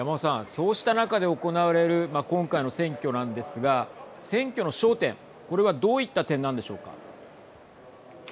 そうした中で行われる今回の選挙なんですが選挙の焦点、これはどういった点なんでしょうか。